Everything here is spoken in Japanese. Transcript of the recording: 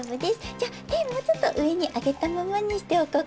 じゃあてもうちょっとうえにあげたままにしておこっか。